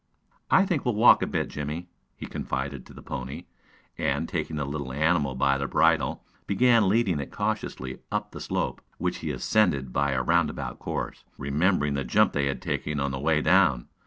"I think we'll walk a bit, Jimmie," he confided to the pony, and, taking the little animal by the bridle, began leading it cautiously up the slope, which he ascended by a roundabout course, remembering the jump they had taken on the way down.